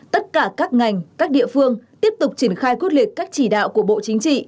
tất cả các ngành các địa phương tiếp tục triển khai quyết liệt các chỉ đạo của bộ chính trị